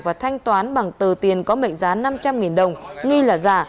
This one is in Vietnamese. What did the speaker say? và thanh toán bằng tờ tiền có mệnh giá năm trăm linh đồng nghi là giả